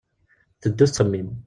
Tetteddu tettxemmim.